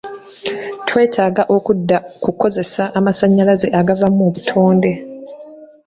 Twetaaga okudda ku kukozesa amasannyalaze agava mu butonde.